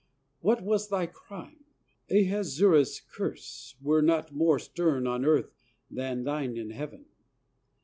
What was thy crime? Ahasuerus' curse Were not more stern on earth than thine in Heaven!